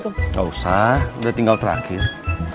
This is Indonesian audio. tidak usah udah tinggal terakhir